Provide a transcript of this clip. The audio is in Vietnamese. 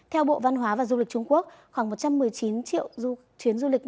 theo bộ văn hóa và du lịch trung quốc khoảng một trăm một mươi chín triệu chuyến du lịch